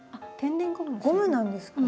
ゴムなんですか。